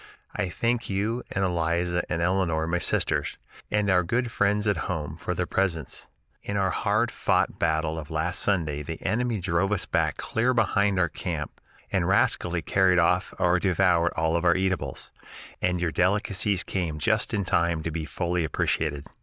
I thank you and Eliza and Eleanor [my sisters] and our good friends at home for their presents. In our hard fought battle of last Sunday the enemy drove us back clear behind our camp and rascally carried off or devoured all our eatables, and your delicacies came just in time to be fully appreciated.